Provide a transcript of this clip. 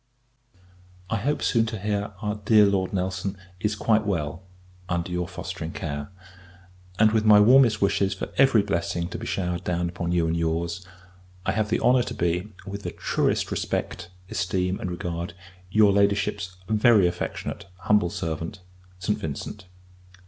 I hope soon to hear, our dear Lord Nelson is quite well, under your fostering care; and, with my warmest wishes for every blessing to be showered down upon you and your's, I have the honour to be, with the truest respect, esteem, and regard, your Ladyship's very affectionate, humble servant, ST. VINCENT.